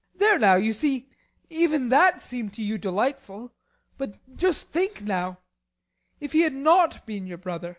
There now you see even that seemed to you delightful. But just think now if he had not been your brother!